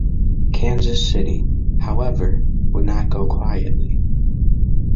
Kansas City, however, would not go quietly.